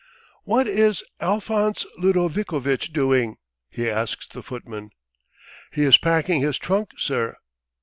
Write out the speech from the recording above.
"What is Alphonse Ludovikovitch doing?" he asks the footman. "He is packing his trunk, sir."